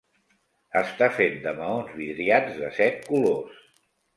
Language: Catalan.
Està fet de maons vidriats de set colors.